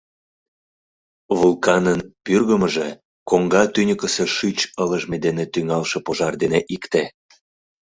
Вулканын пӱргымыжӧ — коҥга тӱньыкысӧ шӱч ылыжме дене тӱҥалше пожар дене икте.